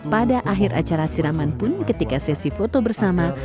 pada akhir acara siraman pun ketika sesi foto bersama